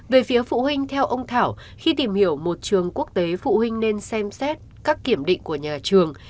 về phía phụ huynh theo ông thảo khi tìm hiểu một trường quốc tế phụ huynh nên xem xét các kiểm định của nhà trường